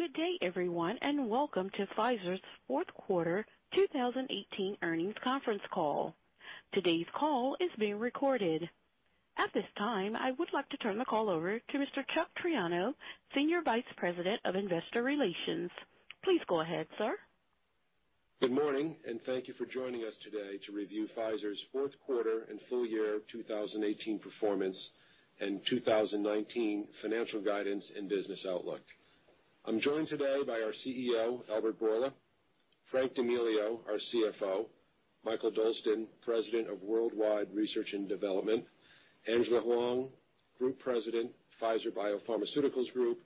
Good day everyone. Welcome to Pfizer's fourth quarter 2018 earnings conference call. Today's call is being recorded. At this time, I would like to turn the call over to Mr. Chuck Triano, Senior Vice President of Investor Relations. Please go ahead, sir. Good morning. Thank you for joining us today to review Pfizer's fourth quarter and full year 2018 performance and 2019 financial guidance and business outlook. I'm joined today by our CEO, Albert Bourla, Frank D'Amelio, our CFO, Mikael Dolsten, President of Worldwide Research and Development, Angela Hwang, Group President, Pfizer Biopharmaceuticals Group,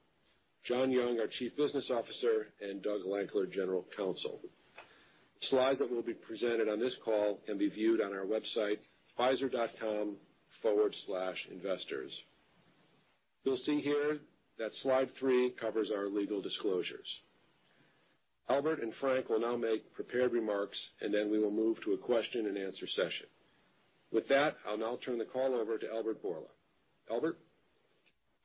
John Young, our Chief Business Officer, and Doug Lankler, General Counsel. Slides that will be presented on this call can be viewed on our website, pfizer.com/investors. You'll see here that slide three covers our legal disclosures. Albert and Frank will now make prepared remarks. Then we will move to a question and answer session. With that, I'll now turn the call over to Albert Bourla. Albert?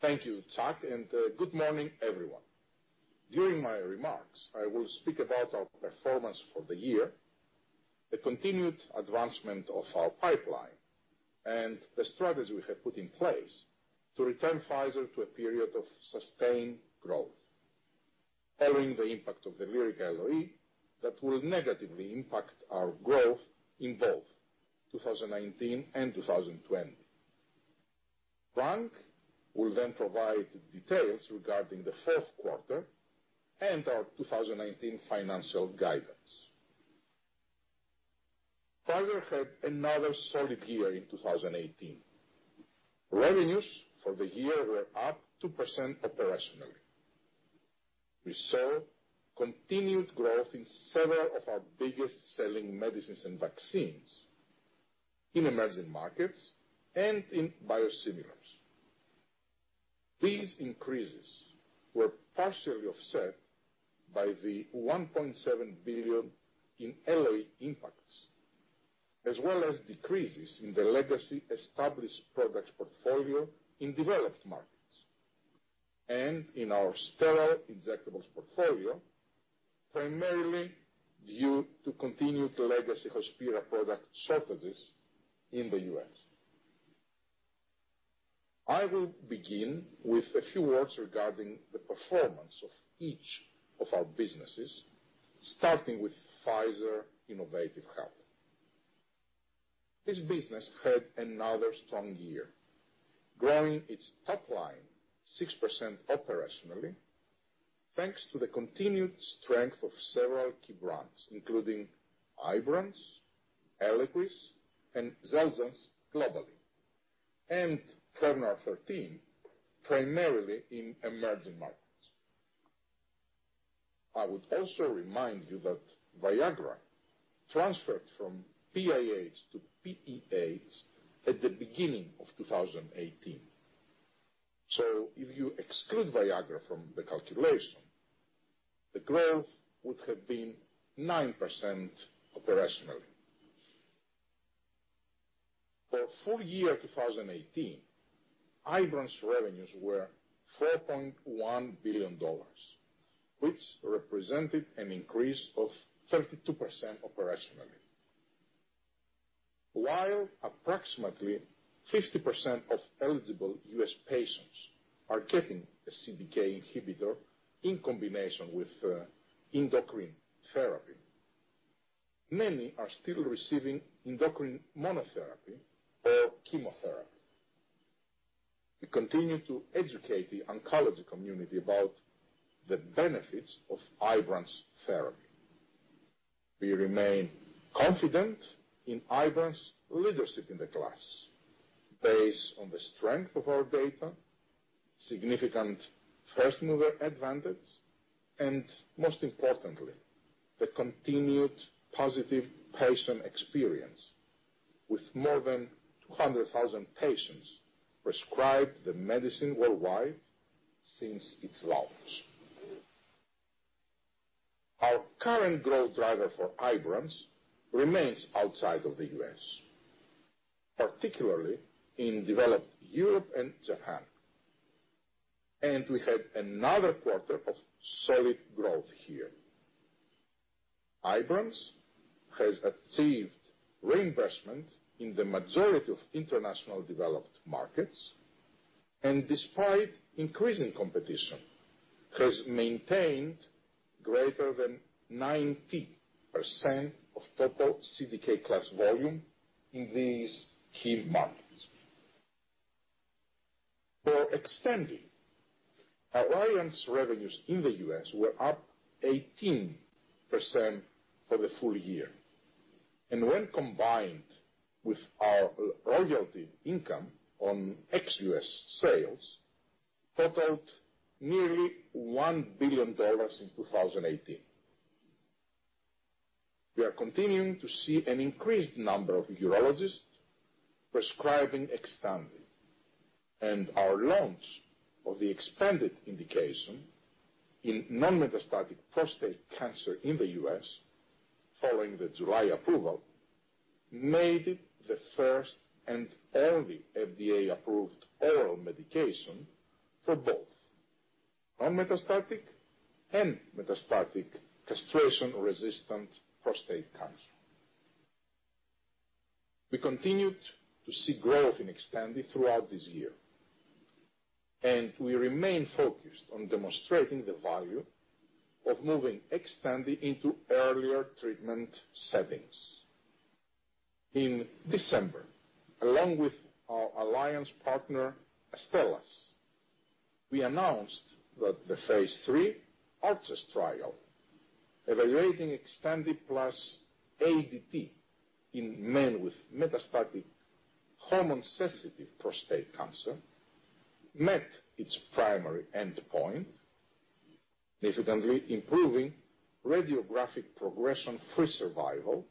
Thank you, Chuck. Good morning everyone. During my remarks, I will speak about our performance for the year, the continued advancement of our pipeline, and the strategy we have put in place to return Pfizer to a period of sustained growth following the impact of the Lyrica LOE that will negatively impact our growth in both 2019 and 2020. Frank will provide details regarding the fourth quarter and our 2019 financial guidance. Pfizer had another solid year in 2018. Revenues for the year were up 2% operationally. We saw continued growth in several of our biggest selling medicines and vaccines in emerging markets and in biosimilars. These increases were partially offset by the $1.7 billion in LOE impacts, as well as decreases in the legacy established products portfolio in developed markets and in our sterile injectables portfolio, primarily due to continued legacy Hospira product shortages in the U.S. I will begin with a few words regarding the performance of each of our businesses, starting with Pfizer Innovative Health. This business had another strong year, growing its top line 6% operationally, thanks to the continued strength of several key brands, including Ibrance, Eliquis, and Xeljanz globally, and Prevnar 13 primarily in emerging markets. I would also remind you that Viagra transferred from PIH to PEH at the beginning of 2018. If you exclude Viagra from the calculation, the growth would have been 9% operationally. For full year 2018, Ibrance revenues were $4.1 billion, which represented an increase of 32% operationally. While approximately 50% of eligible U.S. patients are getting a CDK inhibitor in combination with endocrine therapy, many are still receiving endocrine monotherapy or chemotherapy. We continue to educate the oncology community about the benefits of Ibrance therapy. We remain confident in Ibrance leadership in the class based on the strength of our data, significant first mover advantage, and most importantly, the continued positive patient experience with more than 200,000 patients prescribed the medicine worldwide since its launch. Our current growth driver for Ibrance remains outside of the U.S., particularly in developed Europe and Japan. We had another quarter of solid growth here. Ibrance has achieved reimbursement in the majority of international developed markets and despite increasing competition, has maintained greater than 90% of total CDK class volume in these key markets. For Xtandi, our alliance revenues in the U.S. were up 18% for the full year. When combined with our royalty income on ex-U.S. sales totaled nearly $1 billion in 2018. We are continuing to see an increased number of urologists prescribing Xtandi, and our launch of the expanded indication in non-metastatic prostate cancer in the U.S. following the July approval made it the first and only FDA-approved oral medication for both non-metastatic and metastatic castration-resistant prostate cancer. We continued to see growth in Xtandi throughout this year, and we remain focused on demonstrating the value of moving Xtandi into earlier treatment settings. In December, along with our alliance partner Astellas, we announced that the phase III ARCHES trial evaluating Xtandi plus ADT in men with metastatic hormone-sensitive prostate cancer met its primary endpoint, significantly improving radiographic progression-free survival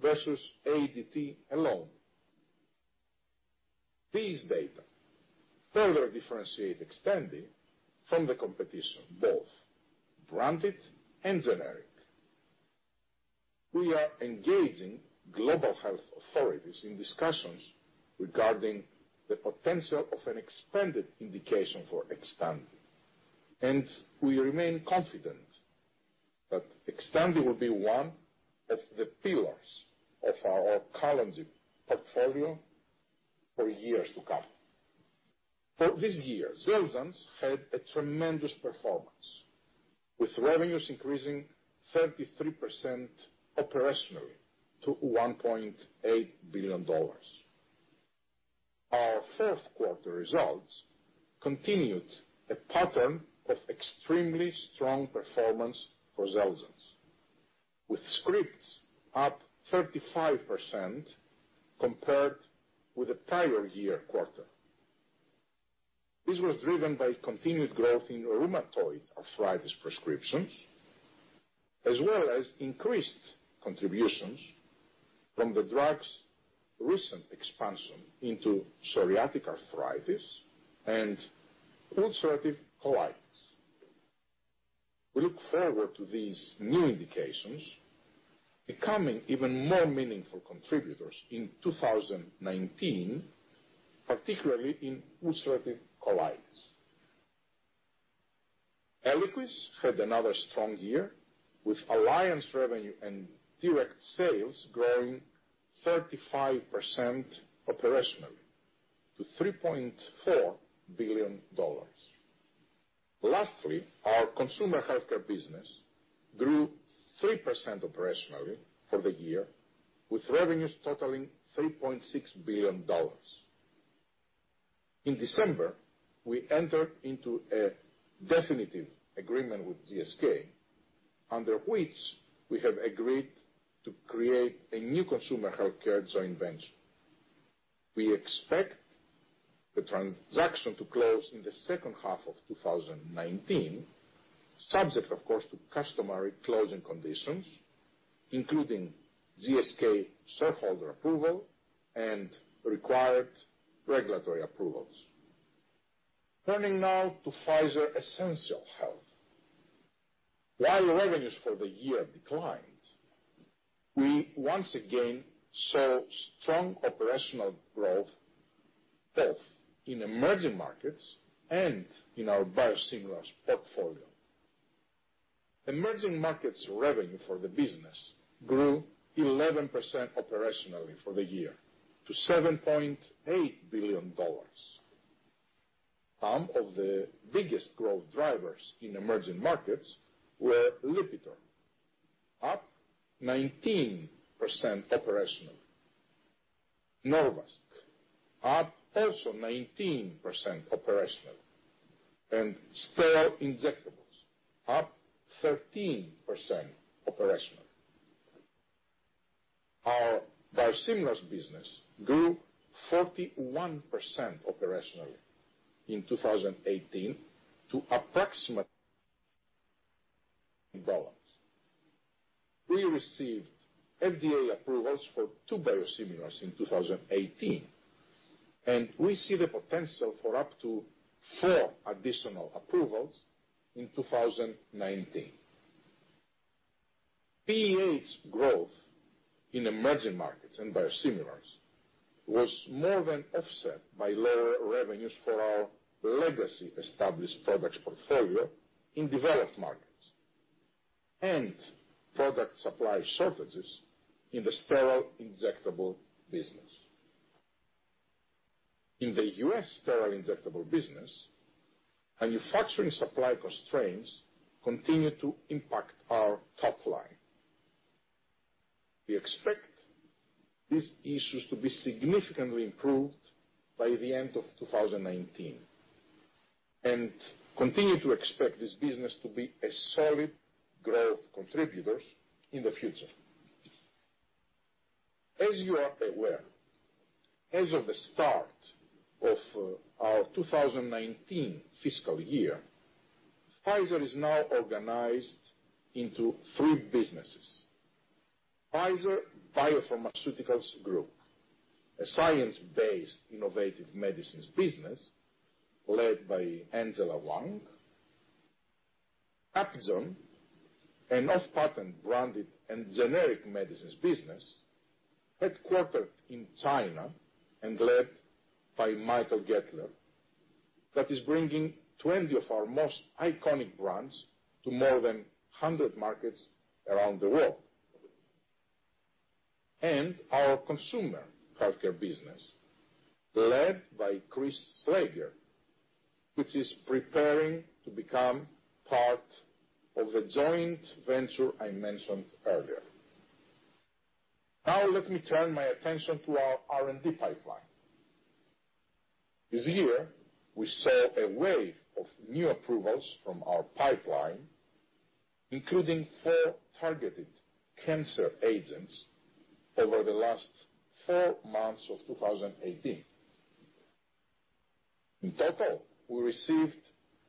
versus ADT alone. These data further differentiate Xtandi from the competition, both branded and generic. We are engaging global health authorities in discussions regarding the potential of an expanded indication for Xtandi, and we remain confident that Xtandi will be one of the pillars of our oncology portfolio for years to come. For this year, Xeljanz had a tremendous performance, with revenues increasing 33% operationally to $1.8 billion. Our first quarter results continued a pattern of extremely strong performance for Xeljanz, with scripts up 35% compared with the prior year quarter. This was driven by continued growth in rheumatoid arthritis prescriptions as well as increased contributions from the drug's recent expansion into psoriatic arthritis and ulcerative colitis. We look forward to these new indications becoming even more meaningful contributors in 2019, particularly in ulcerative colitis. Eliquis had another strong year, with alliance revenue and direct sales growing 35% operationally to $3.4 billion. Lastly, our Consumer Healthcare business grew 3% operationally for the year, with revenues totaling $3.6 billion. In December, we entered into a definitive agreement with GSK, under which we have agreed to create a new Consumer Healthcare joint venture. We expect the transaction to close in the second half of 2019, subject, of course, to customary closing conditions, including GSK shareholder approval and required regulatory approvals. Turning now to Pfizer Essential Health. While revenues for the year declined, we once again saw strong operational growth both in emerging markets and in our biosimilars portfolio. Emerging markets revenue for the business grew 11% operationally for the year to $7.8 billion. Some of the biggest growth drivers in emerging markets were Lipitor, up 19% operationally, Norvasc up also 19% operationally, and sterile injectables up 13% operationally. Our biosimilars business grew 41% operationally in 2018 to approximately $1 billion. We received FDA approvals for two biosimilars in 2018, and we see the potential for up to four additional approvals in 2019. PE's growth in emerging markets and biosimilars was more than offset by lower revenues for our legacy established products portfolio in developed markets and product supply shortages in the sterile injectable business. In the U.S. sterile injectable business, manufacturing supply constraints continue to impact our top line. We expect these issues to be significantly improved by the end of 2019 and continue to expect this business to be a solid growth contributor in the future. As you are aware, as of the start of our 2019 fiscal year, Pfizer is now organized into three businesses. Pfizer Biopharmaceuticals Group, a science-based innovative medicines business led by Angela Hwang, Upjohn, an off-patent branded and generic medicines business, headquartered in China and led by Michael Goettler, that is bringing 20 of our most iconic brands to more than 100 markets around the world. Our consumer healthcare business, led by Chris Slager, which is preparing to become part of a joint venture I mentioned earlier. Let me turn my attention to our R&D pipeline. This year, we saw a wave of new approvals from our pipeline, including four targeted cancer agents over the last four months of 2018. In total, we received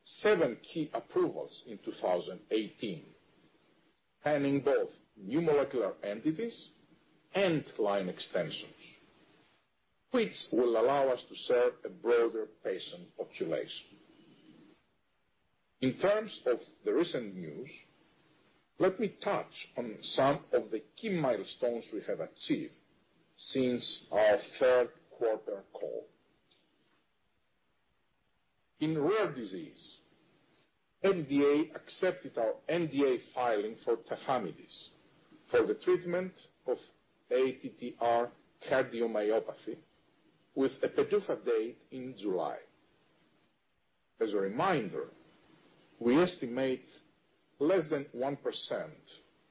seven key approvals in 2018, having both new molecular entities and line extensions, which will allow us to serve a broader patient population. In terms of the recent news, let me touch on some of the key milestones we have achieved since our third quarter call. In rare disease, FDA accepted our NDA filing for tafamidis for the treatment of ATTR cardiomyopathy, with a PDUFA date in July. As a reminder, we estimate less than 1%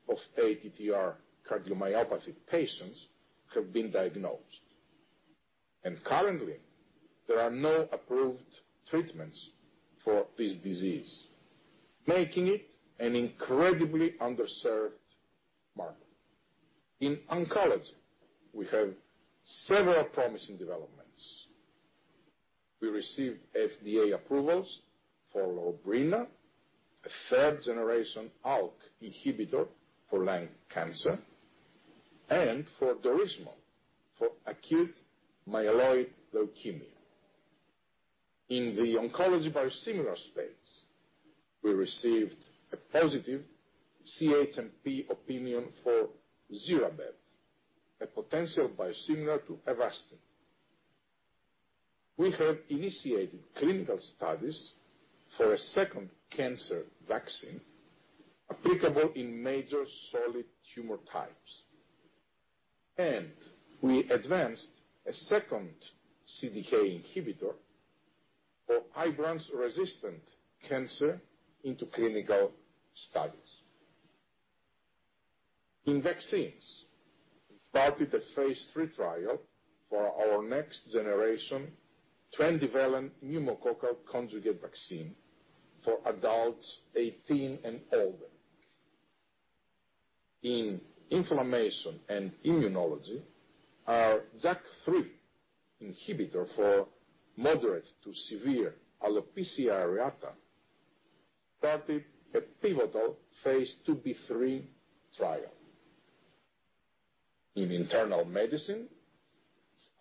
of ATTR cardiomyopathy patients have been diagnosed. Currently, there are no approved treatments for this disease, making it an incredibly underserved market. In oncology, we have several promising developments. We received FDA approvals for LORBRENA, a third-generation ALK inhibitor for lung cancer, and for DAURISMO for acute myeloid leukemia. In the oncology biosimilar space, we received a positive CHMP opinion for ZIRABEV, a potential biosimilar to Avastin. We have initiated clinical studies for a second cancer vaccine applicable in major solid tumor types. We advanced a second CDK inhibitor for Ibrance-resistant cancer into clinical studies. In vaccines, we've started a phase III trial for our next-generation 20 valent pneumococcal conjugate vaccine for adults 18 and older. In inflammation and immunology, our JAK3 inhibitor for moderate to severe alopecia areata started a pivotal phase II-B/III trial. In internal medicine,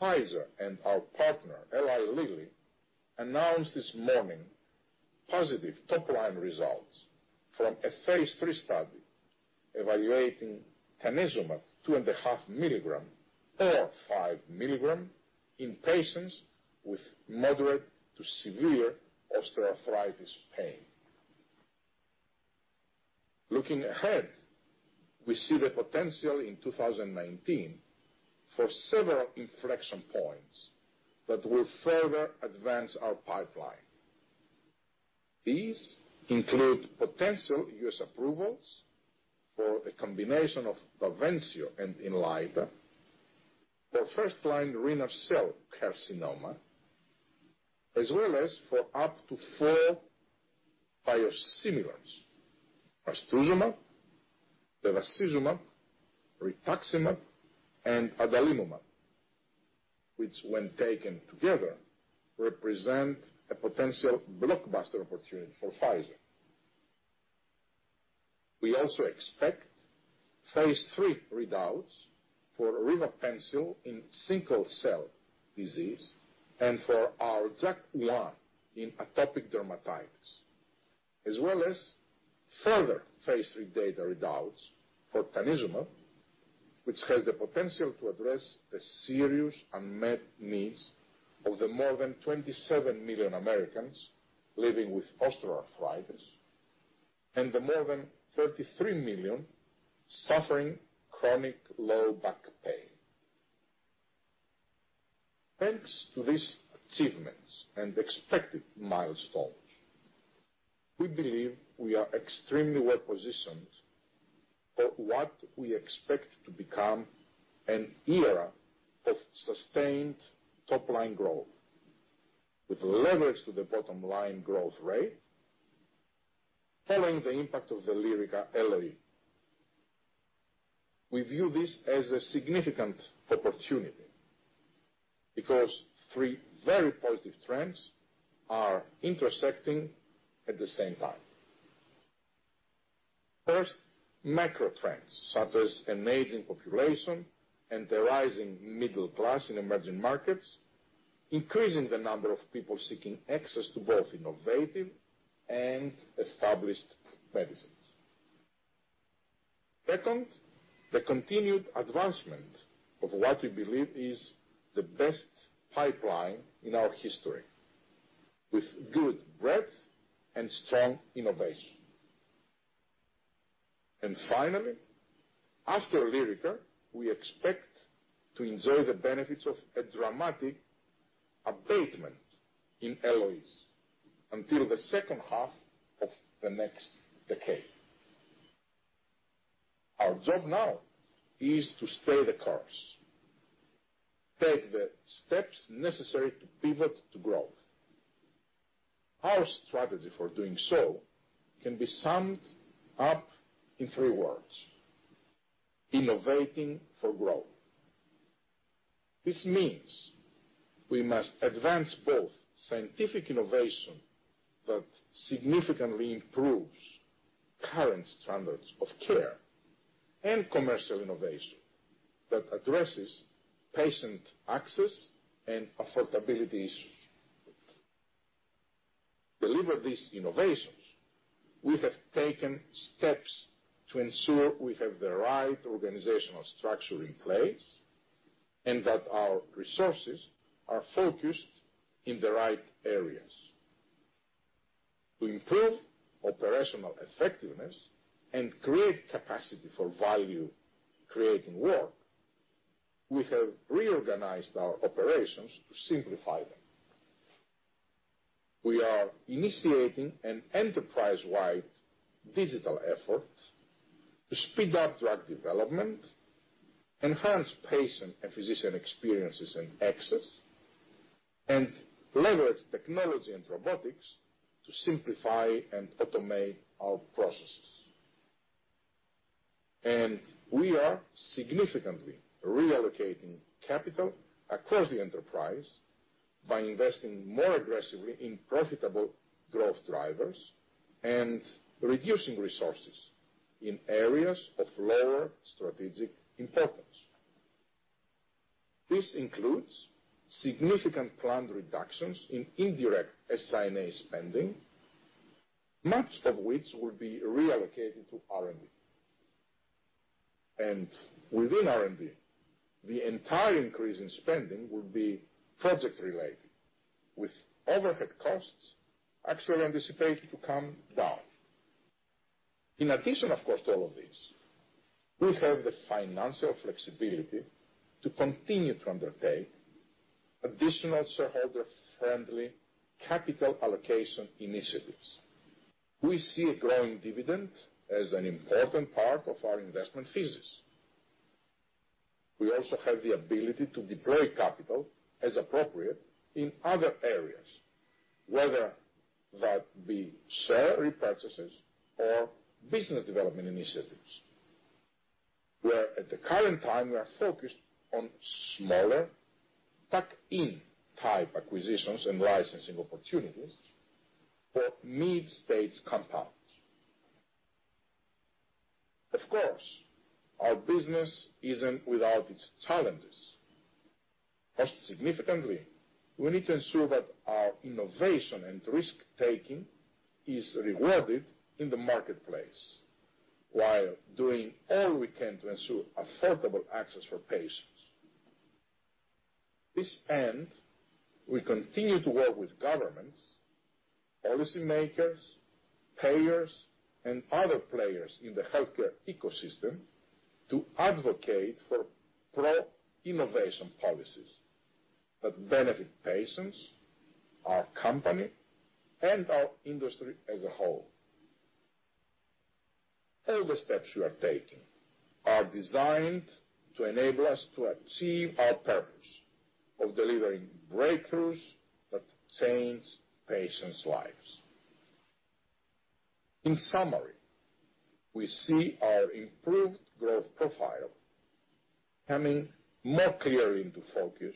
Pfizer and our partner, Eli Lilly, announced this morning positive top-line results from a phase III study evaluating tanezumab 2.5 mg or 5 mg in patients with moderate to severe osteoarthritis pain. Looking ahead, we see the potential in 2019 for several inflection points that will further advance our pipeline. These include potential U.S. approvals for the combination of BAVENCIO and Inlyta for first-line renal cell carcinoma, as well as for up to four biosimilars, trastuzumab, bevacizumab, rituximab, and adalimumab, which when taken together, represent a potential blockbuster opportunity for Pfizer. We also expect phase III readouts for rivipansel in sickle cell disease and for our JAK1 in atopic dermatitis, as well as further phase III data readouts for tanezumab, which has the potential to address the serious unmet needs of the more than 27 million Americans living with osteoarthritis and the more than 33 million suffering chronic low back pain. Thanks to these achievements and expected milestones, we believe we are extremely well-positioned for what we expect to become an era of sustained top-line growth with leverage to the bottom-line growth rate following the impact of the Lyrica LOE. We view this as a significant opportunity because three very positive trends are intersecting at the same time. First, macro trends such as an aging population and the rising middle class in emerging markets, increasing the number of people seeking access to both innovative and established medicines. Second, the continued advancement of what we believe is the best pipeline in our history, with good breadth and strong innovation. Finally, after Lyrica, we expect to enjoy the benefits of a dramatic abatement in LOEs until the second half of the next decade. Our job now is to stay the course, take the steps necessary to pivot to growth. Our strategy for doing so can be summed up in three words: innovating for growth. This means we must advance both scientific innovation that significantly improves current standards of care, and commercial innovation that addresses patient access and affordability issues. To deliver these innovations, we have taken steps to ensure we have the right organizational structure in place and that our resources are focused in the right areas. To improve operational effectiveness and create capacity for value-creating work, we have reorganized our operations to simplify them. We are initiating an enterprise-wide digital effort to speed up drug development, enhance patient and physician experiences and access, and leverage technology and robotics to simplify and automate our processes. We are significantly reallocating capital across the enterprise by investing more aggressively in profitable growth drivers and reducing resources in areas of lower strategic importance. This includes significant planned reductions in indirect SI&A spending, much of which will be reallocated to R&D. Within R&D, the entire increase in spending will be project-related, with overhead costs actually anticipated to come down. In addition, of course, to all of this, we have the financial flexibility to continue to undertake additional shareholder-friendly capital allocation initiatives. We see a growing dividend as an important part of our investment thesis. We also have the ability to deploy capital as appropriate in other areas, whether that be share repurchases or business development initiatives, where at the current time, we are focused on smaller tuck-in type acquisitions and licensing opportunities for mid-stage compounds. Of course, our business isn't without its challenges. Most significantly, we need to ensure that our innovation and risk-taking is rewarded in the marketplace, while doing all we can to ensure affordable access for patients. To this end, we continue to work with governments, policy makers, payers, and other players in the healthcare ecosystem to advocate for pro-innovation policies that benefit patients, our company, and our industry as a whole. All the steps we are taking are designed to enable us to achieve our purpose of delivering breakthroughs that change patients' lives. In summary, we see our improved growth profile coming more clearly into focus,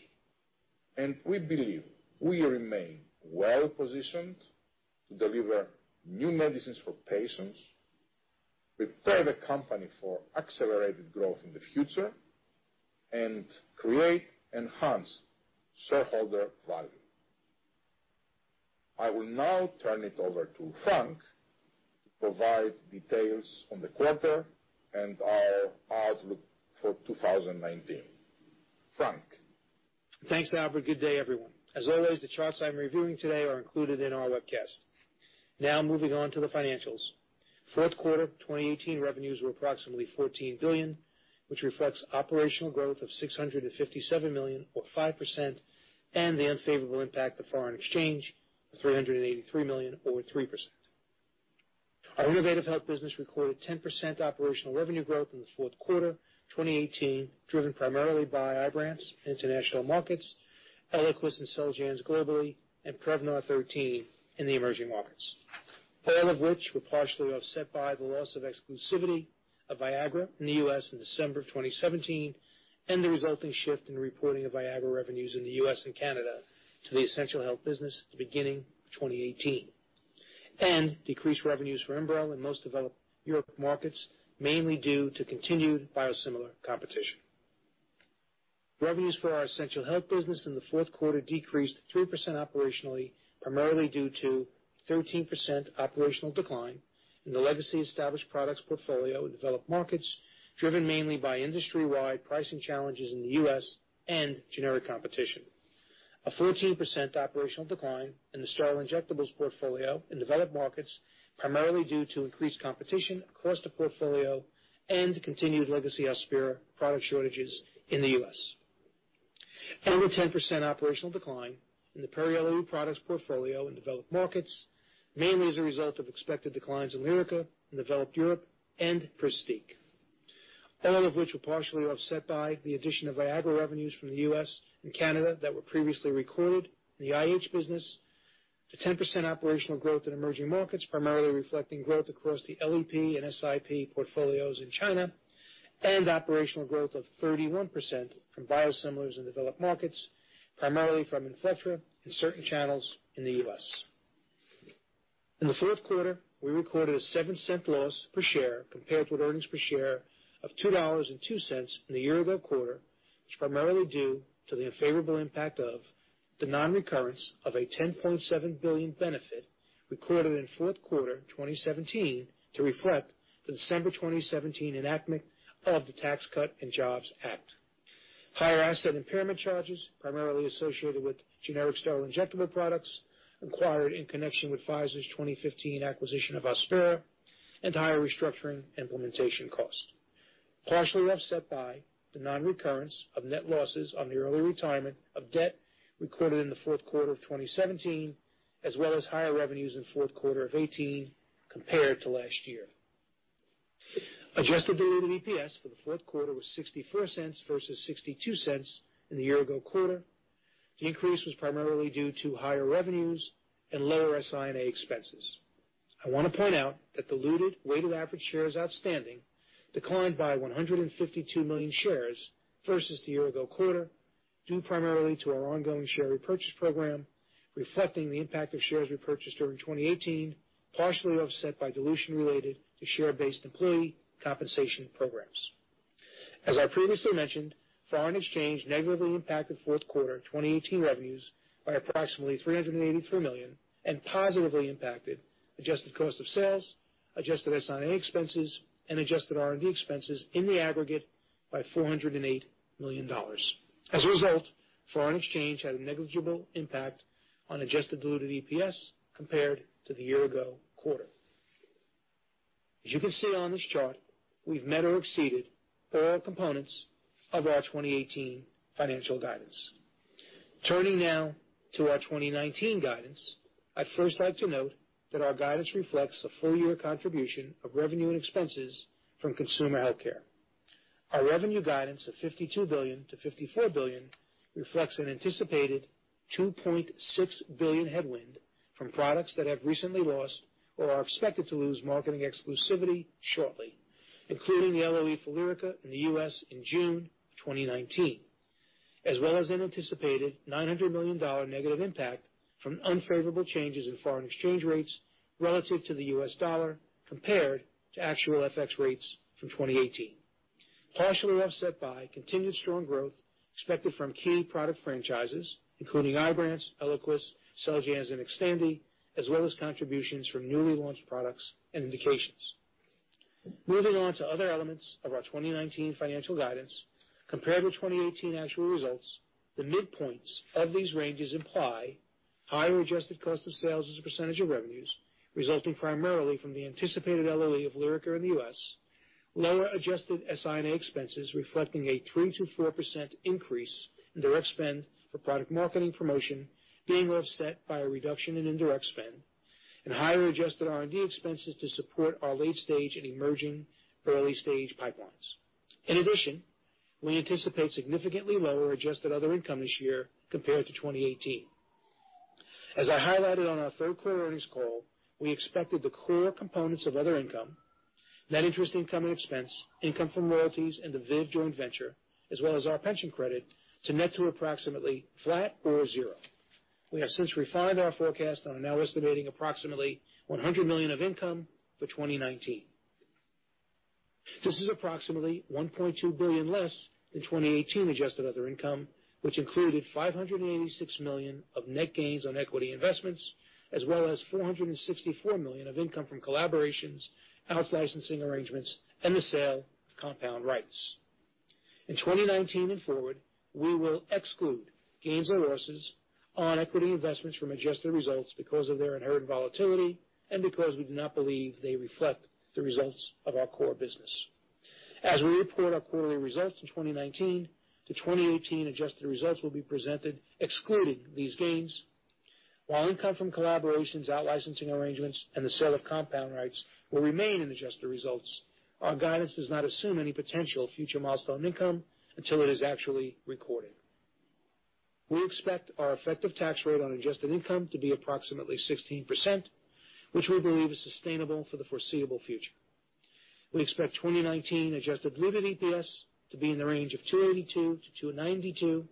and we believe we remain well-positioned to deliver new medicines for patients, prepare the company for accelerated growth in the future, and create enhanced shareholder value. I will now turn it over to Frank to provide details on the quarter and our outlook for 2019. Frank. Thanks, Albert. Good day, everyone. As always, the charts I'm reviewing today are included in our webcast. Moving on to the financials. Fourth quarter 2018 revenues were approximately $14 billion, which reflects operational growth of $657 million or 5%, and the unfavorable impact of foreign exchange of $383 million or 3%. Our Innovative Health business recorded 10% operational revenue growth in the fourth quarter 2018, driven primarily by Ibrance in international markets, Eliquis and Xeljanz globally, and Prevnar 13 in the emerging markets. All of which were partially offset by the loss of exclusivity of Viagra in the U.S. in December of 2017, and the resulting shift in reporting of Viagra revenues in the U.S. and Canada to the Essential Health business at the beginning of 2018. Decreased revenues for Enbrel in most developed Europe markets, mainly due to continued biosimilar competition. Revenues for our Essential Health business in the fourth quarter decreased 3% operationally, primarily due to 13% operational decline in the legacy established products portfolio in developed markets, driven mainly by industry-wide pricing challenges in the U.S. and generic competition. A 14% operational decline in the sterile injectables portfolio in developed markets, primarily due to increased competition across the portfolio and continued legacy Hospira product shortages in the U.S. A 10% operational decline in the peri-LOE products portfolio in developed markets, mainly as a result of expected declines in Lyrica in developed Europe and Pristiq. All of which were partially offset by the addition of Viagra revenues from the U.S. and Canada that were previously recorded in the IH business. The 10% operational growth in emerging markets primarily reflecting growth across the LEP and SIP portfolios in China. Operational growth of 31% from biosimilars in developed markets, primarily from Inflectra in certain channels in the U.S. In the fourth quarter, we recorded a $0.07 loss per share compared with earnings per share of $2.02 in the year-ago quarter, which was primarily due to the unfavorable impact of the non-recurrence of a $10.7 billion benefit recorded in the fourth quarter 2017 to reflect the December 2017 enactment of the Tax Cuts and Jobs Act. Higher asset impairment charges, primarily associated with generic sterile injectable products acquired in connection with Pfizer's 2015 acquisition of Hospira and higher restructuring implementation costs. Partially offset by the non-recurrence of net losses on the early retirement of debt recorded in the fourth quarter of 2017, as well as higher revenues in the fourth quarter of 2018 compared to last year. Adjusted diluted EPS for the fourth quarter was $0.64 versus $0.62 in the year-ago quarter. The increase was primarily due to higher revenues and lower SI&A expenses. I want to point out that the diluted weighted average shares outstanding declined by 152 million shares versus the year-ago quarter, due primarily to our ongoing share repurchase program, reflecting the impact of shares repurchased during 2018, partially offset by dilution related to share-based employee compensation programs. As I previously mentioned, foreign exchange negatively impacted fourth quarter 2018 revenues by approximately $383 million and positively impacted adjusted cost of sales, adjusted SI&A expenses, and adjusted R&D expenses in the aggregate by $408 million. As a result, foreign exchange had a negligible impact on adjusted diluted EPS compared to the year-ago quarter. As you can see on this chart, we've met or exceeded all components of our 2018 financial guidance. Turning now to our 2019 guidance. I'd first like to note that our guidance reflects the full year contribution of revenue and expenses from Consumer Healthcare. Our revenue guidance of $52 billion-$54 billion reflects an anticipated $2.6 billion headwind from products that have recently lost or are expected to lose marketing exclusivity shortly, including the LOE for Lyrica in the U.S. in June 2019. As well as an anticipated $900 million negative impact from unfavorable changes in foreign exchange rates relative to the U.S. dollar, compared to actual FX rates from 2018. Partially offset by continued strong growth expected from key product franchises, including Ibrance, Eliquis, Xeljanz, and Xtandi, as well as contributions from newly launched products and indications. Moving on to other elements of our 2019 financial guidance, compared with 2018 actual results, the midpoints of these ranges imply higher adjusted cost of sales as a percentage of revenues, resulting primarily from the anticipated LOE of Lyrica in the U.S. Lower adjusted SI&A expenses reflecting a 3%-4% increase in direct spend for product marketing promotion, being offset by a reduction in indirect spend. Higher adjusted R&D expenses to support our late-stage and emerging early-stage pipelines. In addition, we anticipate significantly lower adjusted other income this year compared to 2018. As I highlighted on our third quarter earnings call, we expected the core components of other income, net interest income and expense, income from royalties, and the ViiV joint venture, as well as our pension credit, to net to approximately flat or zero. We have since refined our forecast and are now estimating approximately $100 million of income for 2019. This is approximately $1.2 billion less than 2018 adjusted other income, which included $586 million of net gains on equity investments, as well as $464 million of income from collaborations, out-licensing arrangements, and the sale of compound rights. In 2019 and forward, we will exclude gains or losses on equity investments from adjusted results because of their inherent volatility and because we do not believe they reflect the results of our core business. As we report our quarterly results in 2019, the 2018 adjusted results will be presented excluding these gains. While income from collaborations, out-licensing arrangements, and the sale of compound rights will remain in adjusted results, our guidance does not assume any potential future milestone income until it is actually recorded. We expect our effective tax rate on adjusted income to be approximately 16%, which we believe is sustainable for the foreseeable future. We expect 2019 adjusted diluted EPS to be in the range of $2.82-$2.92.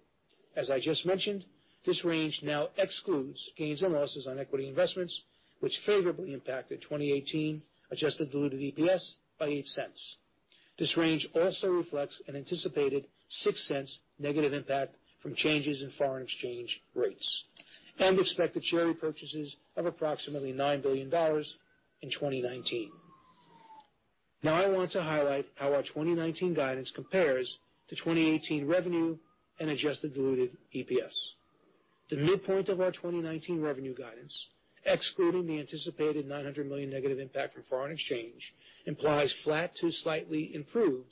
As I just mentioned, this range now excludes gains and losses on equity investments, which favorably impacted 2018 adjusted diluted EPS by $0.08. This range also reflects an anticipated $0.06 negative impact from changes in foreign exchange rates and expected share repurchases of approximately $9 billion in 2019. I want to highlight how our 2019 guidance compares to 2018 revenue and adjusted diluted EPS. The midpoint of our 2019 revenue guidance, excluding the anticipated $900 million negative impact from foreign exchange, implies flat to slightly improved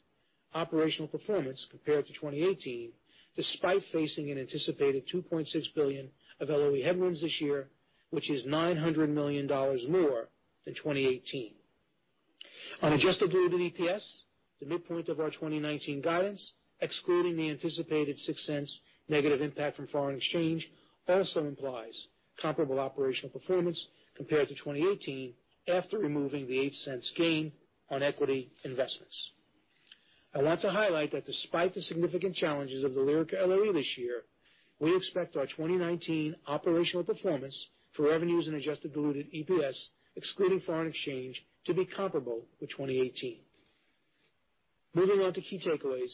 operational performance compared to 2018, despite facing an anticipated $2.6 billion of LOE headwinds this year, which is $900 million more than 2018. On adjusted diluted EPS, the midpoint of our 2019 guidance, excluding the anticipated $0.06 negative impact from foreign exchange, also implies comparable operational performance compared to 2018 after removing the $0.08 gain on equity investments. I want to highlight that despite the significant challenges of the Lyrica LOE this year, we expect our 2019 operational performance for revenues and adjusted diluted EPS, excluding foreign exchange, to be comparable with 2018. Moving on to key takeaways,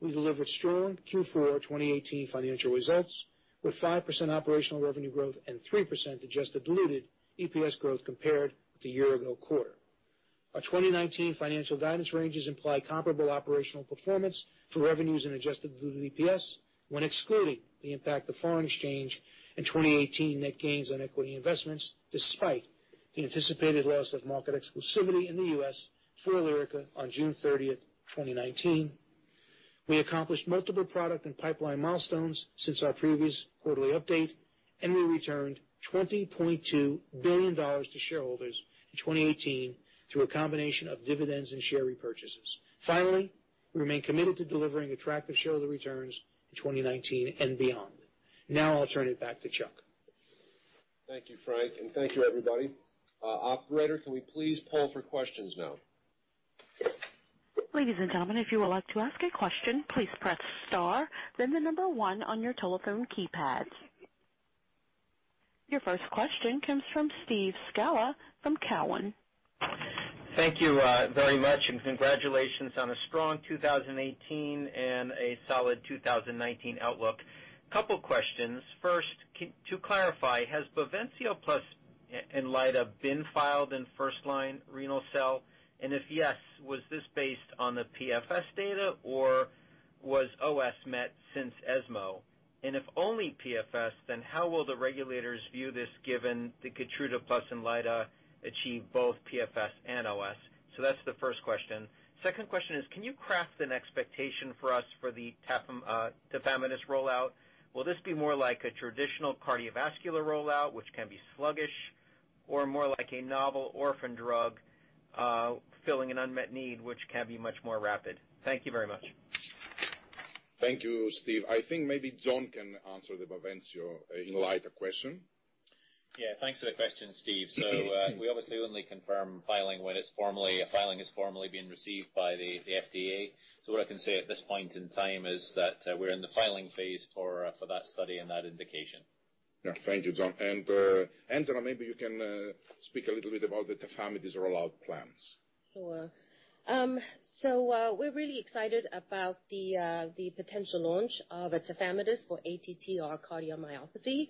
we delivered strong Q4 2018 financial results with 5% operational revenue growth and 3% adjusted diluted EPS growth compared to year-ago quarter. Our 2019 financial guidance ranges imply comparable operational performance for revenues and adjusted diluted EPS when excluding the impact of foreign exchange in 2018 net gains on equity investments, despite the anticipated loss of market exclusivity in the U.S. for Lyrica on June 30th, 2019. We accomplished multiple product and pipeline milestones since our previous quarterly update, and we returned $20.2 billion to shareholders in 2018 through a combination of dividends and share repurchases. We remain committed to delivering attractive shareholder returns in 2019 and beyond. I'll turn it back to Chuck. Thank you, Frank. Thank you, everybody. Operator, can we please poll for questions now? Ladies and gentlemen, if you would like to ask a question, please press star, then the number one on your telephone keypads. Your first question comes from Steve Scala from Cowen. Thank you very much. Congratulations on a strong 2018 and a solid 2019 outlook. Couple questions. First, to clarify, has BAVENCIO plus Inlyta been filed in first line renal cell? If yes, was this based on the PFS data, or was OS met since ESMO? If only PFS, then how will the regulators view this given the KEYTRUDA plus Inlyta achieved both PFS and OS? That's the first question. Second question is, can you craft an expectation for us for the tafamidis rollout? Will this be more like a traditional cardiovascular rollout, which can be sluggish, or more like a novel orphan drug filling an unmet need, which can be much more rapid? Thank you very much. Thank you, Steve. I think maybe John can answer the BAVENCIO-Inlyta question. Yeah. Thanks for the question, Steve. We obviously only confirm filing when a filing is formally being received by the FDA. What I can say at this point in time is that we're in the filing phase for that study and that indication. Yeah. Thank you, John. Angela, maybe you can speak a little bit about the tafamidis rollout plans. Sure. We're really excited about the potential launch of tafamidis for ATTR cardiomyopathy.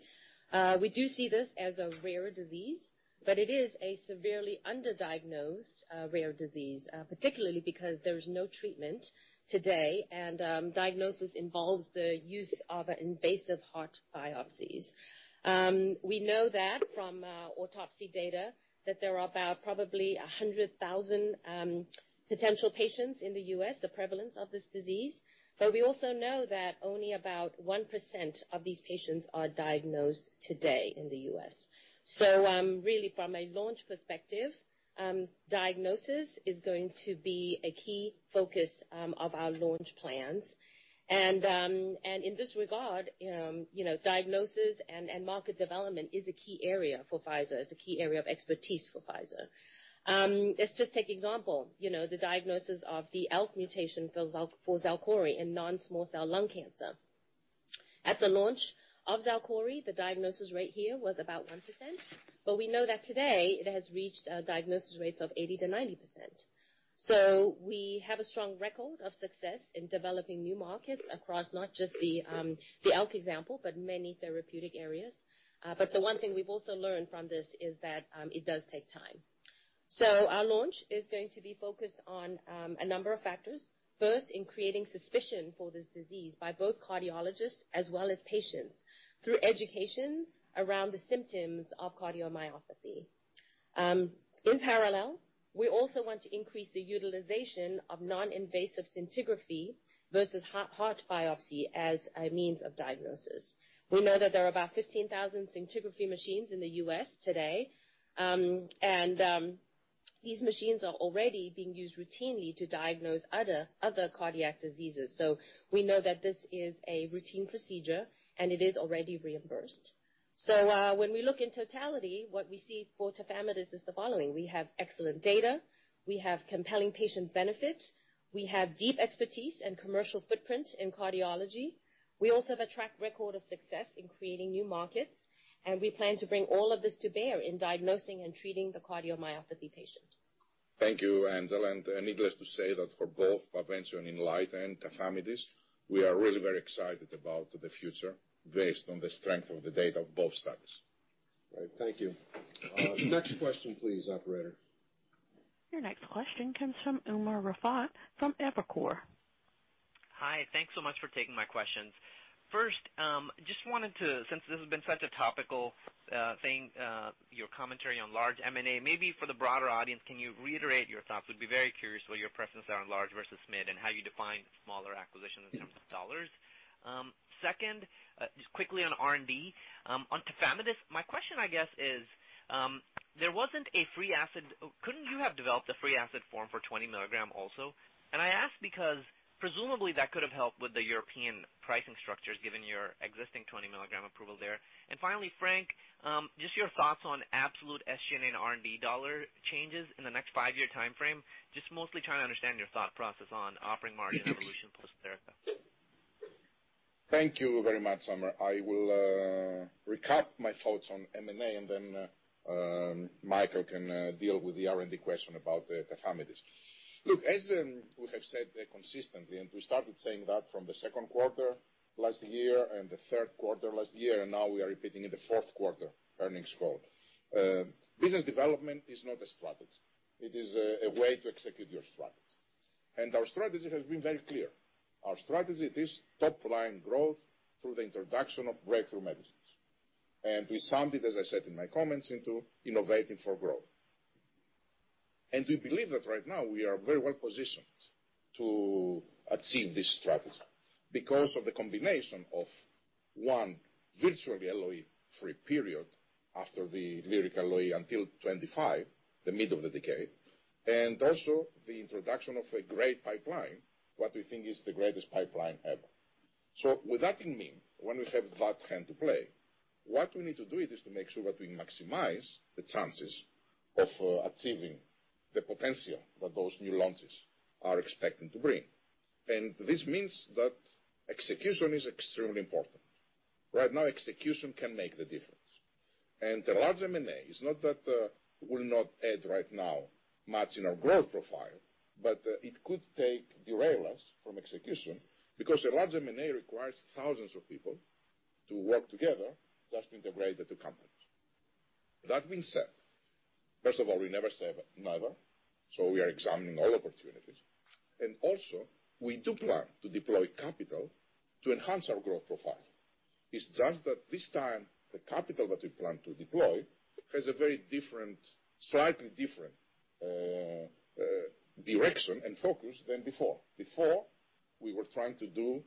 We do see this as a rare disease, but it is a severely underdiagnosed rare disease, particularly because there is no treatment today, and diagnosis involves the use of invasive heart biopsies. We know that from autopsy data that there are about probably 100,000 potential patients in the U.S., the prevalence of this disease, but we also know that only about 1% of these patients are diagnosed today in the U.S. Really from a launch perspective, diagnosis is going to be a key focus of our launch plans. In this regard, diagnosis and market development is a key area for Pfizer. It's a key area of expertise for Pfizer. Let's just take example, the diagnosis of the ALK mutation for Xalkori in non-small cell lung cancer. At the launch of Xalkori, the diagnosis rate here was about 1%, but we know that today it has reached diagnosis rates of 80%-90%. We have a strong record of success in developing new markets across not just the ALK example, but many therapeutic areas. The one thing we've also learned from this is that it does take time. Our launch is going to be focused on a number of factors. First, in creating suspicion for this disease by both cardiologists as well as patients through education around the symptoms of cardiomyopathy. In parallel, we also want to increase the utilization of non-invasive scintigraphy versus heart biopsy as a means of diagnosis. We know that there are about 15,000 scintigraphy machines in the U.S. today. These machines are already being used routinely to diagnose other cardiac diseases. We know that this is a routine procedure, and it is already reimbursed. When we look in totality, what we see for tafamidis is the following. We have excellent data, we have compelling patient benefit, we have deep expertise and commercial footprint in cardiology. We also have a track record of success in creating new markets, and we plan to bring all of this to bear in diagnosing and treating the cardiomyopathy patient. Thank you, Angela. Needless to say that for both BAVENCIO and Inlyta and tafamidis, we are really very excited about the future based on the strength of the data of both studies. Right. Thank you. Next question, please, operator. Your next question comes from Umer Raffat from Evercore. Hi. Thanks so much for taking my questions. First, since this has been such a topical thing, your commentary on large M&A, maybe for the broader audience, can you reiterate your thoughts? We'd be very curious where your preferences are on large versus mid, and how you define smaller acquisitions in terms of dollars. Second, just quickly on R&D. On tafamidis, my question, I guess, is couldn't you have developed a free acid form for 20 mg also? I ask because presumably, that could have helped with the European pricing structures, given your existing 20 mg approval there. Finally, Frank, just your thoughts on absolute SG&A and R&D dollar changes in the next five year timeframe. Just mostly trying to understand your thought process on offering margin evolution plus therapy. Thank you very much, Umer. I will recap my thoughts on M&A, then Mikael can deal with the R&D question about tafamidis. Look, as we have said consistently, we started saying that from the second quarter last year and the third quarter last year, and now we are repeating in the fourth quarter earnings call. Business development is not a strategy. It is a way to execute your strategy. Our strategy has been very clear. Our strategy is top-line growth through the introduction of breakthrough medicines. We summed it, as I said in my comments, into innovating for growth. We believe that right now we are very well positioned to achieve this strategy because of the combination of one virtually LOE-free period after the Lyrica LOE until 2025, the mid of the decade, and also the introduction of a great pipeline, what we think is the greatest pipeline ever. With that in mind, when we have that hand to play, what we need to do is to make sure that we maximize the chances of achieving the potential that those new launches are expecting to bring. This means that execution is extremely important. Right now, execution can make the difference. The large M&A is not that will not add right now much in our growth profile, but it could derail us from execution because a large M&A requires thousands of people to work together just to integrate the two companies. That being said, first of all, we never say never, we are examining all opportunities. Also we do plan to deploy capital to enhance our growth profile. It's just that this time, the capital that we plan to deploy has a very slightly different direction and focus than before. Before, we were trying to do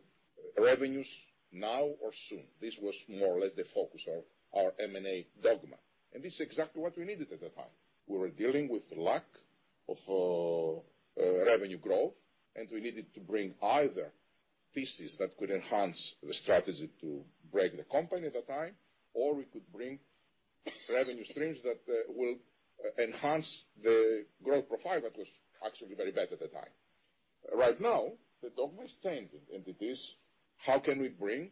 revenues now or soon. This was more or less the focus of our M&A dogma, this is exactly what we needed at that time. We were dealing with lack of revenue growth, we needed to bring either pieces that could enhance the strategy to break the company at that time, or we could bring revenue streams that will enhance the growth profile that was actually very bad at the time. Right now, the dogma has changed, it is how can we bring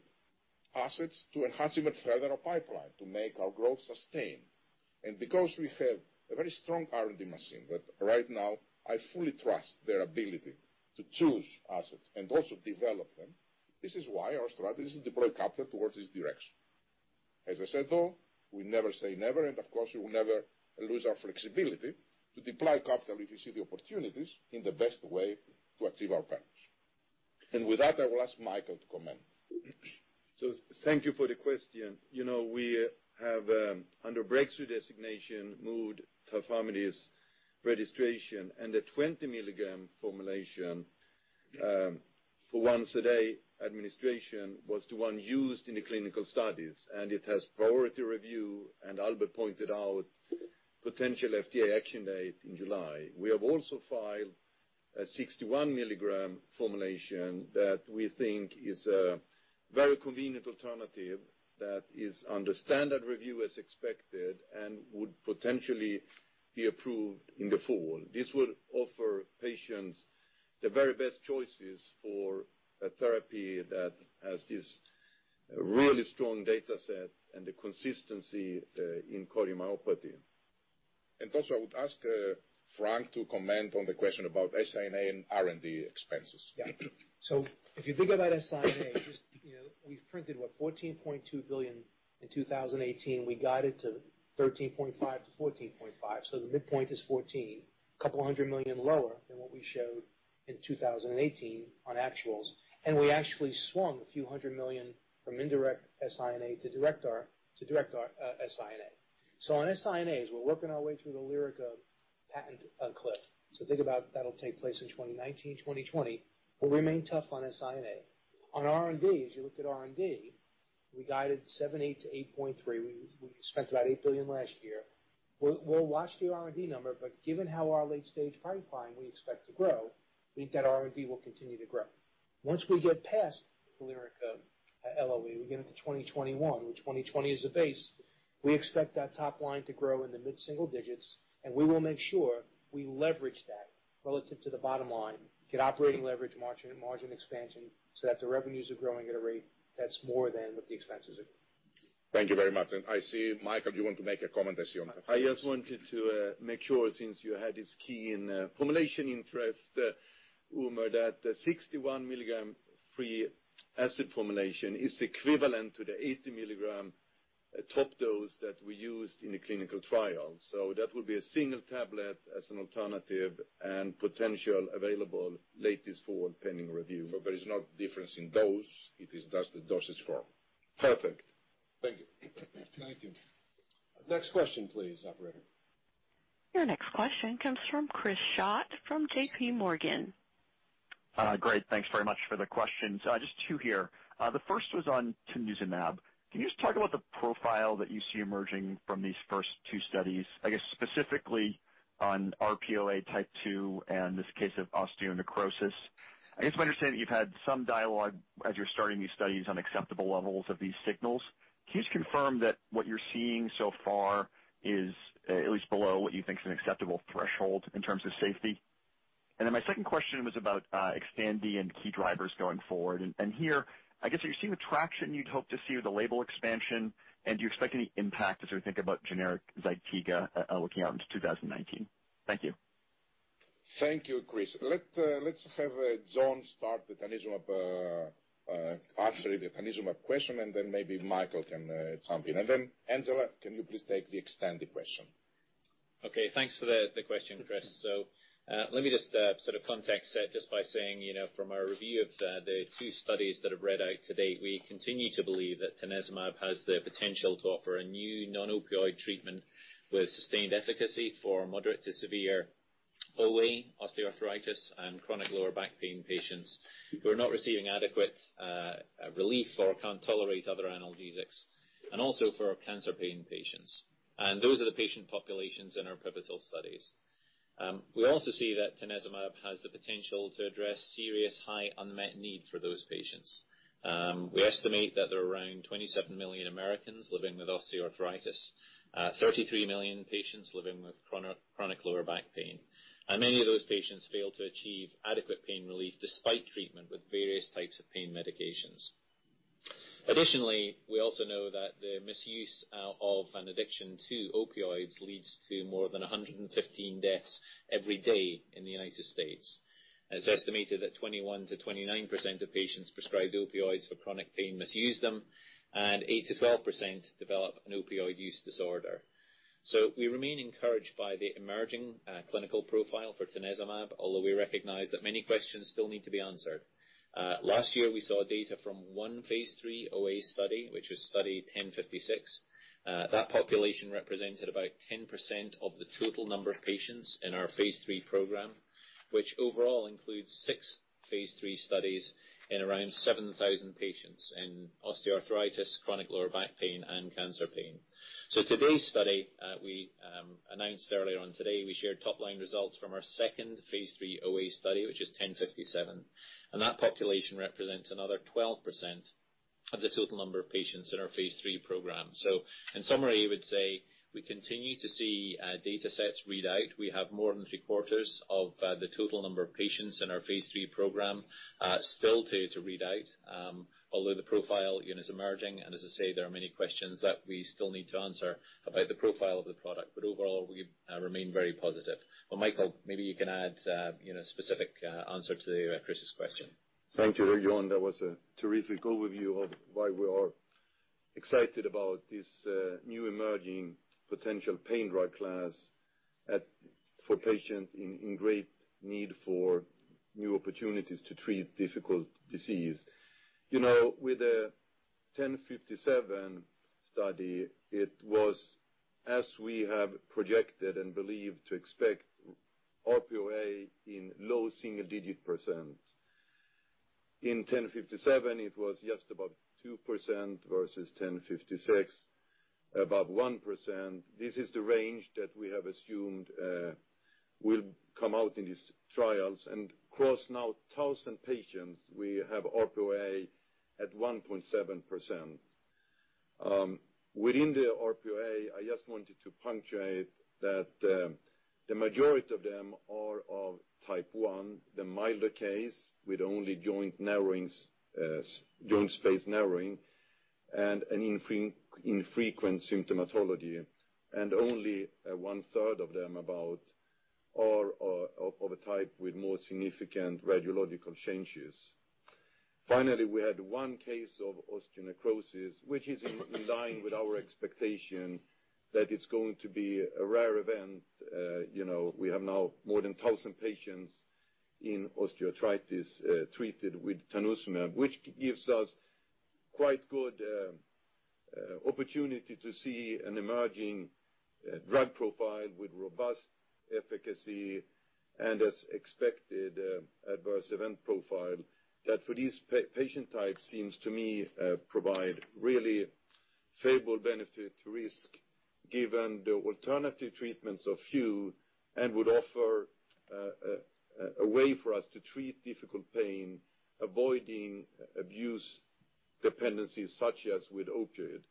assets to enhance even further our pipeline to make our growth sustained. Because we have a very strong R&D machine that right now I fully trust their ability to choose assets and also develop them. This is why our strategy is to deploy capital towards this direction. As I said, though, we never say never, of course, we will never lose our flexibility to deploy capital if we see the opportunities in the best way to achieve our plans. With that, I will ask Mikael to comment. Thank you for the question. We have under breakthrough designation moved tafamidis registration. The 20 mg formulation for once a day administration was the one used in the clinical studies. It has priority review. Albert pointed out potential FDA action date in July. We have also filed a 61 mg formulation that we think is a very convenient alternative that is under standard review as expected and would potentially be approved in the fall. This will offer patients the very best choices for a therapy that has this really strong data set and the consistency in cardiomyopathy. Also I would ask Frank to comment on the question about SI&A and R&D expenses. If you think about SI&A, we've printed what? $14.2 billion in 2018. We guided to $13.5 billion-$14.5 billion. The midpoint is $14 billion, a couple of hundred million lower than what we showed in 2018 on actuals. We actually swung a few hundred million from indirect SI&A to direct SI&A. On SI&A, we're working our way through the Lyrica patent cliff. Think about that'll take place in 2019, 2020. We'll remain tough on SI&A. On R&D, as you look at R&D. We guided $7.8 billion-$8.3 billion. We spent about $8 billion last year. We'll watch the R&D number, but given how our late-stage pipeline we expect to grow, we think that R&D will continue to grow. Once we get past Lyrica LOE, we get into 2021, where 2020 is a base, we expect that top line to grow in the mid-single digits. We will make sure we leverage that relative to the bottom line, get operating leverage margin expansion so that the revenues are growing at a rate that's more than what the expenses are. Thank you very much. I see, Mikael, do you want to make a comment? I just wanted to make sure, since you had this key in formulation interest, Umer, that the 61 mg free acid formulation is equivalent to the 80 mg top dose that we used in the clinical trial. That will be a single tablet as an alternative and potentially available later this fall, pending review. There is no difference in dose. It is just the dosage form. Perfect. Thank you. Thank you. Next question please, operator. Your next question comes from Chris Schott from JPMorgan. Great. Thanks very much for the questions. Just two here. The first was on tanezumab. Can you just talk about the profile that you see emerging from these first two studies, I guess specifically on RPOA type 2 and this case of osteonecrosis? I guess my understanding, you've had some dialogue as you're starting these studies on acceptable levels of these signals. Can you just confirm that what you're seeing so far is at least below what you think is an acceptable threshold in terms of safety? My second question was about Xtandi and key drivers going forward. Here, I guess, are you seeing the traction you'd hope to see with the label expansion, and do you expect any impact as we think about generic ZYTIGA looking out into 2019? Thank you. Thank you, Chris. Let's have John start answering the tanezumab question, and then maybe Mikael can jump in. Angela, can you please take the Xtandi question? Okay. Thanks for the question, Chris. Let me just sort of context set just by saying, from our review of the two studies that have read out to date, we continue to believe that tanezumab has the potential to offer a new non-opioid treatment with sustained efficacy for moderate to severe OA, osteoarthritis, and chronic lower back pain patients who are not receiving adequate relief or can't tolerate other analgesics, and also for cancer pain patients. Those are the patient populations in our pivotal studies. We also see that tanezumab has the potential to address serious high unmet need for those patients. We estimate that there are around 27 million Americans living with osteoarthritis, 33 million patients living with chronic lower back pain. Many of those patients fail to achieve adequate pain relief despite treatment with various types of pain medications. Additionally, we also know that the misuse of and addiction to opioids leads to more than 115 deaths every day in the United States. It's estimated that 21%-29% of patients prescribed opioids for chronic pain misuse them, and 8%-12% develop an opioid use disorder. We remain encouraged by the emerging clinical profile for tanezumab, although we recognize that many questions still need to be answered. Last year, we saw data from one phase III OA study, which was Study 1056. That population represented about 10% of the total number of patients in our phase III program, which overall includes six phase III studies in around 7,000 patients in osteoarthritis, chronic lower back pain, and cancer pain. Today's study, we announced earlier on today, we shared top-line results from our second phase III OA study, which is 1057. That population represents another 12% of the total number of patients in our phase III program. In summary, I would say we continue to see data sets read out. We have more than three-quarters of the total number of patients in our phase III program still to read out, although the profile is emerging. As I say, there are many questions that we still need to answer about the profile of the product. Overall, we remain very positive. Mikael, maybe you can add a specific answer to Chris's question. Thank you, John. That was a terrific overview of why we are excited about this new emerging potential pain drug class for patients in great need of new opportunities to treat difficult disease. With the 1057 study, it was as we have projected and believed to expect RPOA in low single-digit percent. In 1057, it was just above 2% versus 1056 above 1%. This is the range that we have assumed will come out in these trials. Across now 1,000 patients, we have RPOA at 1.7%. Within the RPOA, I just wanted to punctuate that the majority of them are of Type 1, the milder case with only joint space narrowing and infrequent symptomatology, and only one-third of them about are of a type with more significant radiological changes. Finally, we had one case of osteonecrosis, which is in line with our expectation that it's going to be a rare event. We have now more than 1,000 patients in osteoarthritis treated with tanezumab, which gives us quite good opportunity to see an emerging drug profile with robust efficacy and as expected, adverse event profile that for these patient types seems to me to provide really favorable benefit to risk given the alternative treatments are few and would offer a way for us to treat difficult pain, avoiding abuse dependencies such as with opioid.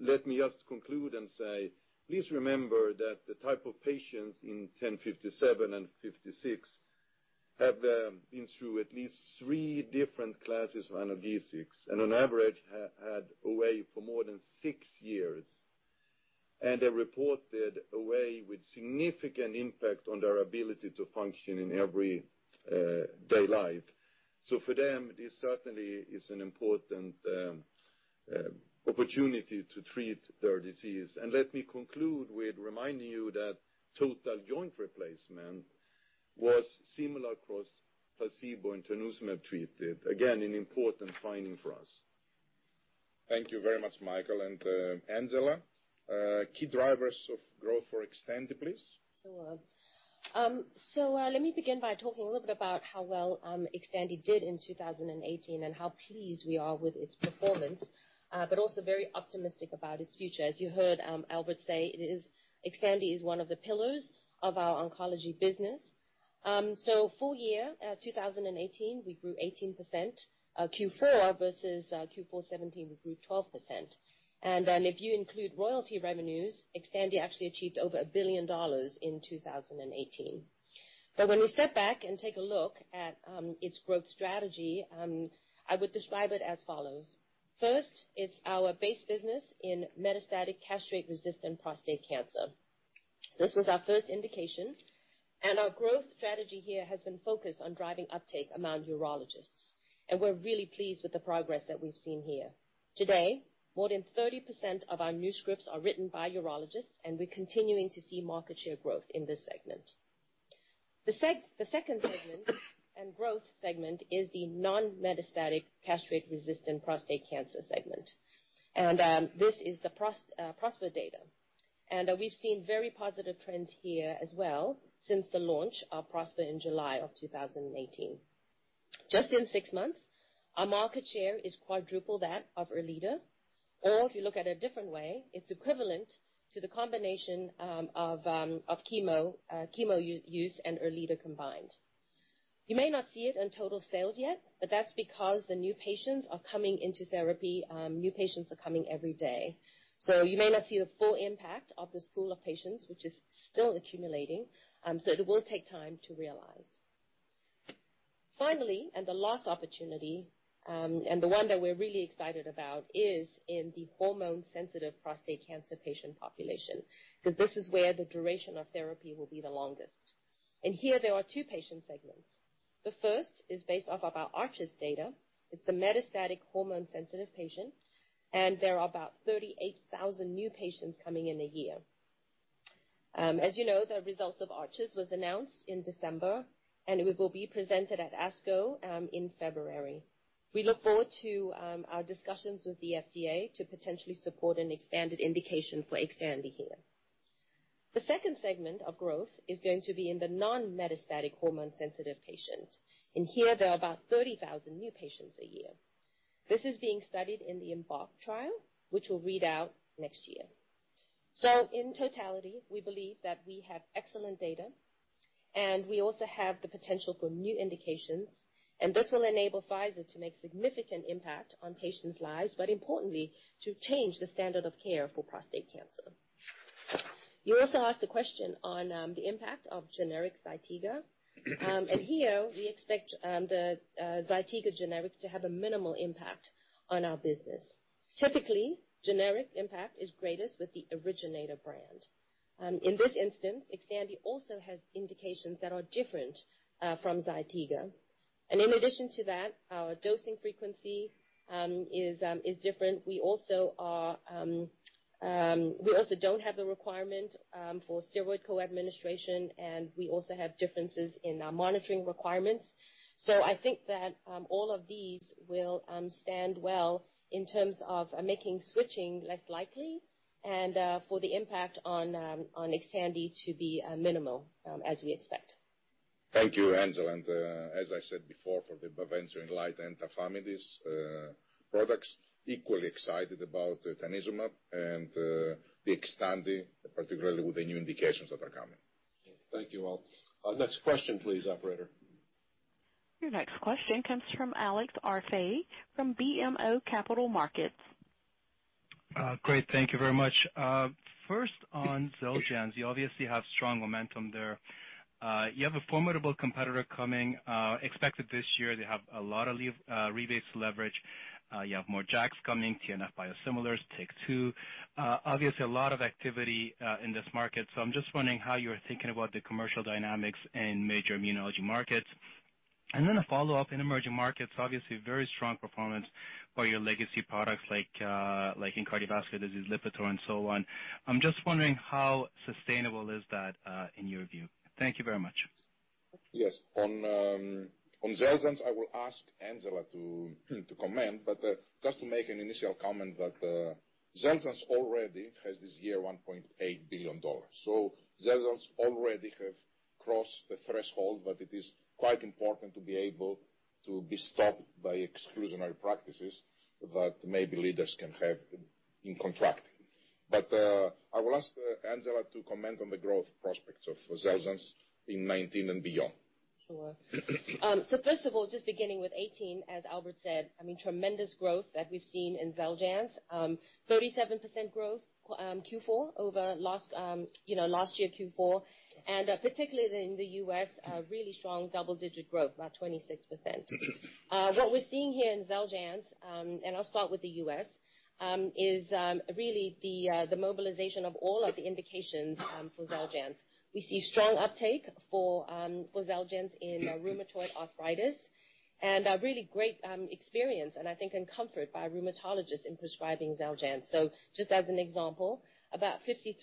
Let me just conclude and say, please remember that the type of patients in 10-57 and 56 have been through at least three different classes of analgesics, and on average had OA for more than six years. They reported OA with significant impact on their ability to function in everyday life. For them, this certainly is an important opportunity to treat their disease. Let me conclude with reminding you that total joint replacement was similar across placebo and tanezumab treated. Again, an important finding for us. Thank you very much, Mikael. Angela, key drivers of growth for Xtandi, please. Sure. Let me begin by talking a little bit about how well Xtandi did in 2018, and how pleased we are with its performance. Also very optimistic about its future. As you heard Albert say, Xtandi is one of the pillars of our oncology business. Full year 2018, we grew 18%. Q4 versus Q4 2017, we grew 12%. If you include royalty revenues, Xtandi actually achieved over $1 billion in 2018. When we step back and take a look at its growth strategy, I would describe it as follows. First, it's our base business in metastatic castrate-resistant prostate cancer. This was our first indication, and our growth strategy here has been focused on driving uptake among urologists. We're really pleased with the progress that we've seen here. Today, more than 30% of our new scripts are written by urologists, and we're continuing to see market share growth in this segment. The second segment and growth segment is the non-metastatic castrate-resistant prostate cancer segment. This is the PROSPER data. We've seen very positive trends here as well since the launch of PROSPER in July of 2018. Just in six months, our market share has quadrupled that of ERLEADA, or if you look at it a different way, it's equivalent to the combination of chemo use and ERLEADA combined. You may not see it in total sales yet, but that's because the new patients are coming into therapy. New patients are coming every day. You may not see the full impact of this pool of patients, which is still accumulating. It will take time to realize. Finally, the last opportunity, and the one that we're really excited about is in the hormone-sensitive prostate cancer patient population, because this is where the duration of therapy will be the longest. Here there are two patient segments. The first is based off of our ARCHES data. It's the metastatic hormone-sensitive patient, and there are about 38,000 new patients coming in a year. As you know, the results of ARCHES was announced in December, and it will be presented at ASCO in February. We look forward to our discussions with the FDA to potentially support an expanded indication for Xtandi here. The second segment of growth is going to be in the non-metastatic hormone-sensitive patient. Here there are about 30,000 new patients a year. This is being studied in the EMBARK trial, which will read out next year. In totality, we believe that we have excellent data, and we also have the potential for new indications, and this will enable Pfizer to make significant impact on patients' lives, but importantly, to change the standard of care for prostate cancer. You also asked a question on the impact of generic ZYTIGA. Here we expect the ZYTIGA generics to have a minimal impact on our business. Typically, generic impact is greatest with the originator brand. In this instance, Xtandi also has indications that are different from ZYTIGA. In addition to that, our dosing frequency is different. We also don't have the requirement for steroid co-administration, and we also have differences in our monitoring requirements. I think that all of these will stand well in terms of making switching less likely and for the impact on Xtandi to be minimal as we expect. Thank you, Angela, and as I said before, for the BAVENCIO, Inlyta, and tafamidis products, equally excited about tanezumab and the Xtandi, particularly with the new indications that are coming. Thank you all. Next question please, operator. Your next question comes from Alex Arfaei from BMO Capital Markets. Great. Thank you very much. First on Xeljanz, you obviously have strong momentum there. You have a formidable competitor coming expected this year. They have a lot of leave rebates to leverage. You have more JAKs coming, TNF biosimilars, JAK2. Obviously a lot of activity in this market. I'm just wondering how you're thinking about the commercial dynamics in major immunology markets. A follow-up in emerging markets, obviously very strong performance by your legacy products like in cardiovascular disease, Lipitor and so on. I'm just wondering how sustainable is that, in your view? Thank you very much. Yes. On Xeljanz, I will ask Angela to comment, but just to make an initial comment that Xeljanz already has this year $1.8 billion. Xeljanz already have crossed the threshold, but it is quite important to be able to be stopped by exclusionary practices that maybe leaders can have in contract. I will ask Angela to comment on the growth prospects of Xeljanz in 2019 and beyond. Sure. First of all, just beginning with 2018, as Albert said, tremendous growth that we've seen in Xeljanz. 37% growth Q4 over last year Q4, and particularly in the U.S., a really strong double-digit growth, about 26%. What we're seeing here in Xeljanz, and I'll start with the U.S., is really the mobilization of all of the indications for Xeljanz. We see strong uptake for Xeljanz in rheumatoid arthritis, and a really great experience, and I think in comfort by rheumatologists in prescribing Xeljanz. Just as an example, about 53%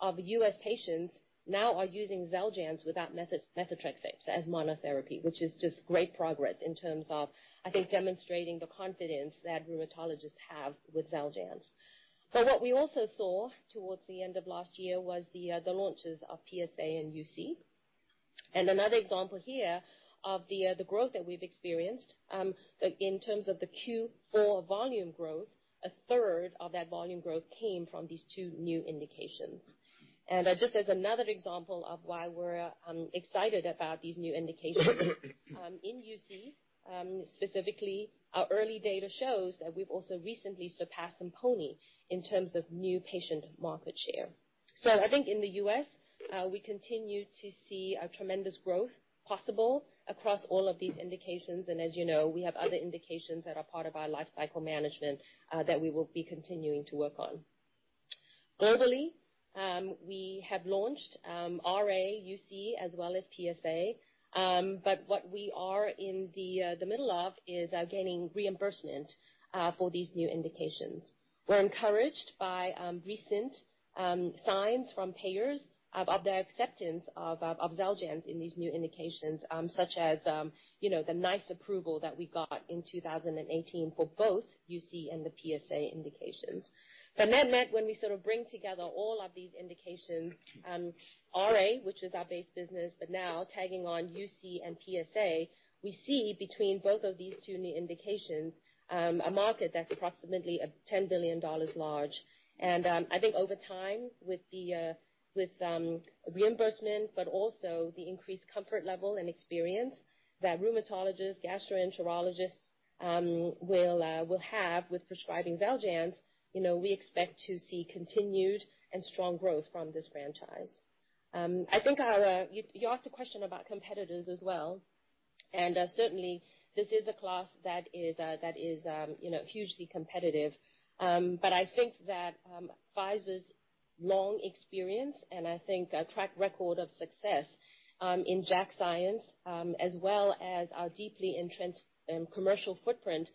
of U.S. patients now are using Xeljanz without methotrexate so as monotherapy, which is just great progress in terms of, I think, demonstrating the confidence that rheumatologists have with Xeljanz. What we also saw towards the end of last year was the launches of PSA and UC. Another example here of the growth that we've experienced, in terms of the Q4 volume growth, 1/3 of that volume growth came from these two new indications. Just as another example of why we're excited about these new indications. In UC, specifically, our early data shows that we've also recently surpassed ENTYVIO in terms of new patient market share. I think in the U.S., we continue to see a tremendous growth possible across all of these indications. As you know, we have other indications that are part of our lifecycle management, that we will be continuing to work on. Globally, we have launched RA, UC as well as PSA. What we are in the middle of is gaining reimbursement for these new indications. We're encouraged by recent signs from payers about their acceptance of Xeljanz in these new indications, such as the NICE approval that we got in 2018 for both UC and the PSA indications. Net, when we sort of bring together all of these indications, RA, which is our base business, but now tagging on UC and PSA, we see between both of these two new indications, a market that's approximately $10 billion large. I think over time with reimbursement, but also the increased comfort level and experience that rheumatologists, gastroenterologists will have with prescribing Xeljanz, we expect to see continued and strong growth from this franchise. I think you asked a question about competitors as well, certainly, this is a class that is hugely competitive. I think that Pfizer's long experience, and I think our track record of success, in JAK science, as well as our deeply entrenched commercial footprint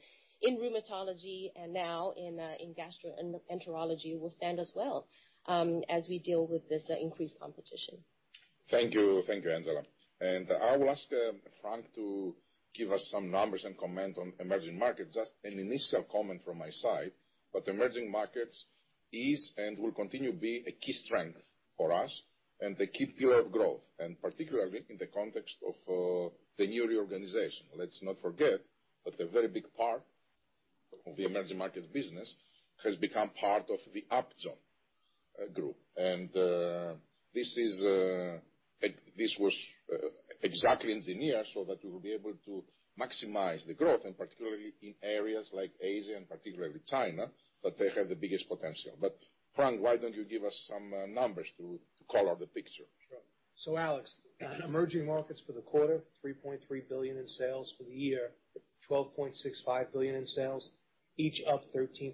in rheumatology and now in gastroenterology will stand us well as we deal with this increased competition. Thank you, Angela. I will ask Frank to give us some numbers and comment on emerging markets. Just an initial comment from my side, but emerging markets is and will continue to be a key strength for us and a key pillar of growth, and particularly in the context of the new reorganization. Let's not forget that a very big part of the emerging markets business has become part of the Upjohn group. This was exactly engineered so that we will be able to maximize the growth, and particularly in areas like Asia and particularly China, that they have the biggest potential. Frank, why don't you give us some numbers to color the picture? Sure. Alex, emerging markets for the quarter, $3.3 billion in sales for the year, $12.65 billion in sales, each up 13%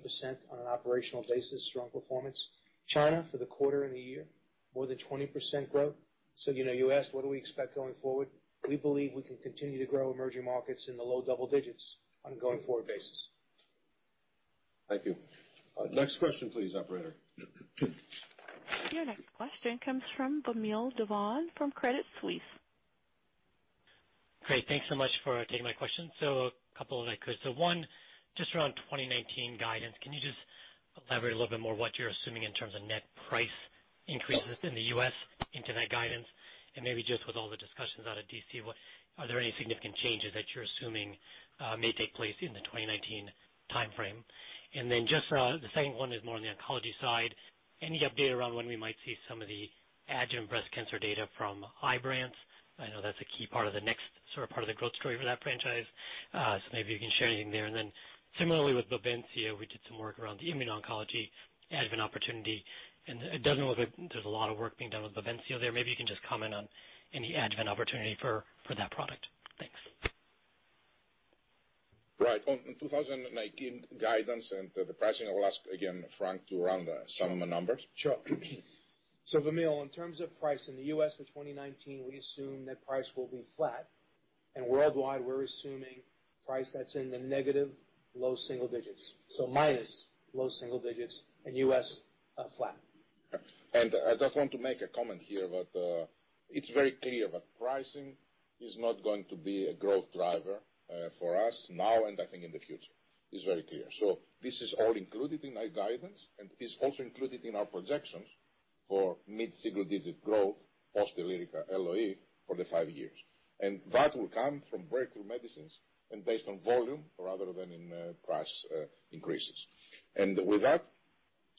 on an operational basis, strong performance. China for the quarter and the year, more than 20% growth. You asked what do we expect going forward? We believe we can continue to grow emerging markets in the low double digits on a going-forward basis. Thank you. Next question please, operator. Your next question comes from Vamil Divan from Credit Suisse. Great. Thanks so much for taking my question. A couple of questions. One, just around 2019 guidance, can you just elaborate a little bit more what you're assuming in terms of net price increases in the U.S. into that guidance? Maybe just with all the discussions out of D.C., are there any significant changes that you're assuming may take place in the 2019 timeframe? Just the second one is more on the oncology side. Any update around when we might see some of the adjuvant breast cancer data from Ibrance? I know that's a key part of the next sort of part of the growth story for that franchise. Maybe you can share anything there. Similarly with BAVENCIO, we did some work around the immuno-oncology adjuvant opportunity, and it doesn't look like there's a lot of work being done with BAVENCIO there. Maybe you can just comment on any adjuvant opportunity for that product. Thanks. Right. On 2019 guidance and the pricing, I will ask again Frank to run some of the numbers. Sure. Vamil, in terms of price in the U.S. for 2019, we assume that price will be flat. And worldwide, we're assuming price that's in the negative low single digits. Minus low single digits and U.S., flat. I just want to make a comment here about, it's very clear that pricing is not going to be a growth driver for us now and I think in the future. It's very clear. This is all included in our guidance and is also included in our projections for mid-single digit growth, post Lyrica LOE for the five years. That will come from breakthrough medicines and based on volume rather than in price increases. With that,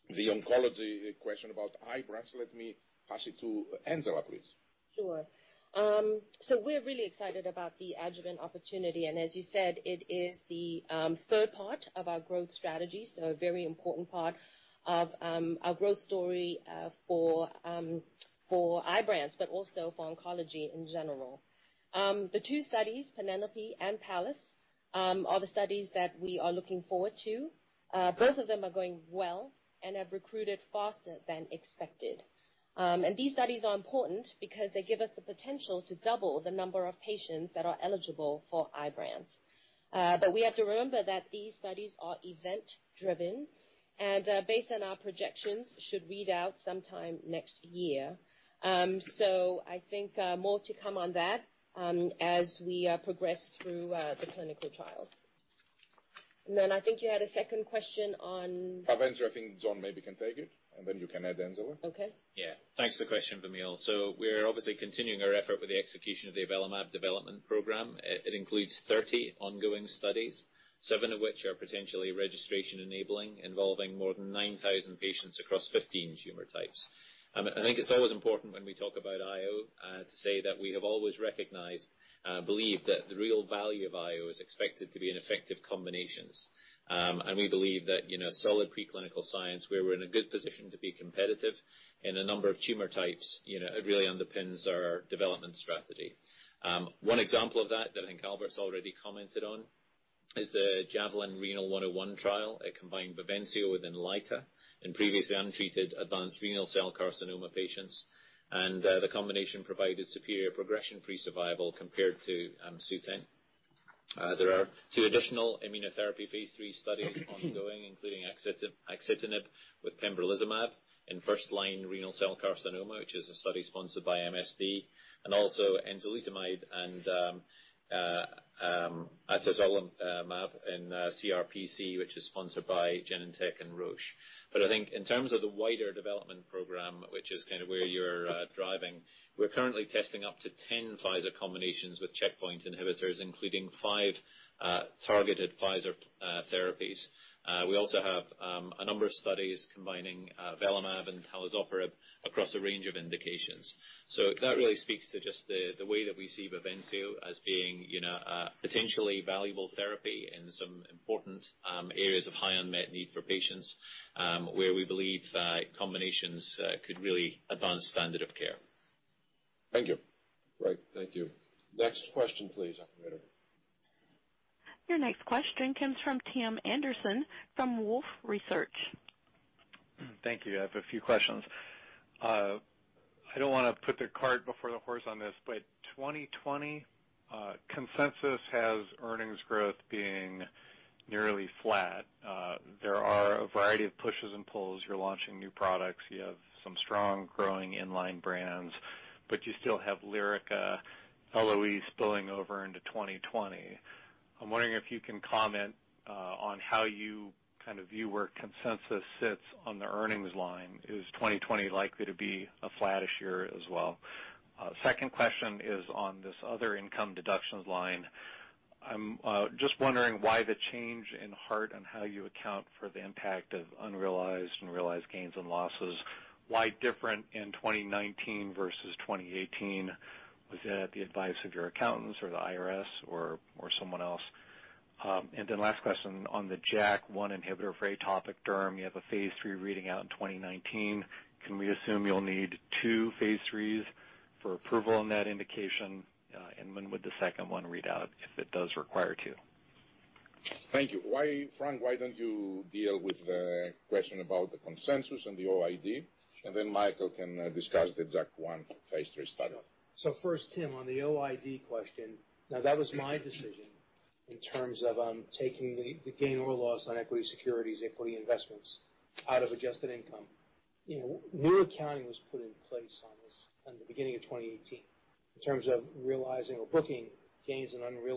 the oncology question about Ibrance, let me pass it to Angela, please. Sure. We're really excited about the adjuvant opportunity, and as you said, it is the third part of our growth strategy, a very important part of our growth story for Ibrance, but also for oncology in general. The two studies, PENELOPE-B and PALLAS, are the studies that we are looking forward to. Both of them are going well and have recruited faster than expected. These studies are important because they give us the potential to double the number of patients that are eligible for Ibrance. We have to remember that these studies are event-driven, and based on our projections, should read out sometime next year. I think more to come on that as we progress through the clinical trials. I think you had a second question on. BAVENCIO, I think John maybe can take it, and then you can add Angela. Okay. Yeah. Thanks for the question, Vamil. We're obviously continuing our effort with the execution of the avelumab development program. It includes 30 ongoing studies, seven of which are potentially registration enabling, involving more than 9,000 patients across 15 tumor types. I think it's always important when we talk about IO to say that we have always recognized and believed that the real value of IO is expected to be in effective combinations. We believe that solid preclinical science, where we're in a good position to be competitive in a number of tumor types, it really underpins our development strategy. One example of that I think Albert's already commented on, is the JAVELIN Renal 101 trial. It combined BAVENCIO with Inlyta in previously untreated advanced renal cell carcinoma patients. The combination provided superior progression-free survival compared to SUTENT. There are two additional immunotherapy phase III studies ongoing, including axitinib with pembrolizumab in first-line renal cell carcinoma, which is a study sponsored by MSD, and also enzalutamide and atezolimumab in CRPC, which is sponsored by Genentech and Roche. I think in terms of the wider development program, which is kind of where you're driving, we're currently testing up to 10 Pfizer combinations with checkpoint inhibitors, including five targeted Pfizer therapies. We also have a number of studies combining avelumab and palbociclib across a range of indications. That really speaks to just the way that we see BAVENCIO as being a potentially valuable therapy in some important areas of high unmet need for patients, where we believe that combinations could really advance standard of care. Thank you. Right. Thank you. Next question, please. Operator. Your next question comes from Tim Anderson from Wolfe Research. Thank you. I have a few questions. I don't want to put the cart before the horse on this, 2020 consensus has earnings growth being nearly flat. There are a variety of pushes and pulls. You're launching new products. You have some strong growing in-line brands, but you still have Lyrica LOE spilling over into 2020. I'm wondering if you can comment on how you kind of view where consensus sits on the earnings line. Is 2020 likely to be a flattish year as well? Second question is on this other income deductions line. I'm just wondering why the change in heart and how you account for the impact of unrealized and realized gains and losses. Why different in 2019 versus 2018? Was that the advice of your accountants or the IRS or someone else? Last question on the JAK1 inhibitor for atopic derm, you have a phase III reading out in 2019. Can we assume you'll need two phase IIIs for approval on that indication? When would the second one read out if it does require two? Thank you. Frank, why don't you deal with the question about the consensus and the OID, and then Mikael can discuss the JAK1 phase III study. First, Tim, on the OID question. Now, that was my decision in terms of taking the gain or loss on equity securities, equity investments out of adjusted income. New accounting was put in place on this in the beginning of 2018 in terms of realizing or booking gains and unrealized.